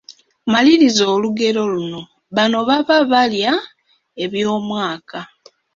Maliriza olugero luno: Banno baba balya eby'omwaka, ….